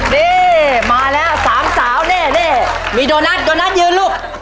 นี่มาแล้ว๓สาวนี่มีโดนัทโดนัทยืนลูก